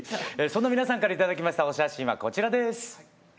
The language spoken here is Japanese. そんな皆さんから頂きましたお写真はこちらです。